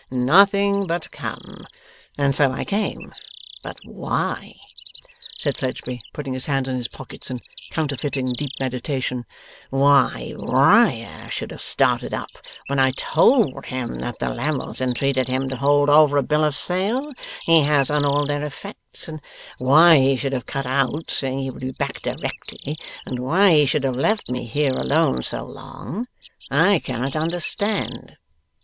'Nothing but come. And so I came. But why,' said Fledgeby, putting his hands in his pockets and counterfeiting deep meditation, 'why Riah should have started up, when I told him that the Lammles entreated him to hold over a Bill of Sale he has on all their effects; and why he should have cut out, saying he would be back directly; and why he should have left me here alone so long; I cannot understand.